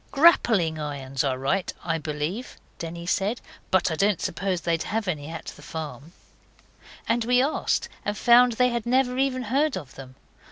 'Grappling irons are right, I believe,' Denny said, 'but I don't suppose they'd have any at the farm.' And we asked, and found they had never even heard of them.